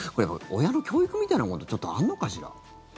親の教育みたいなものとちょっとあるのかしら。